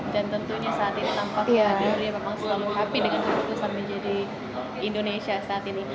tentunya saat ini tampaknya beliau memang selalu happy dengan keputusan menjadi indonesia saat ini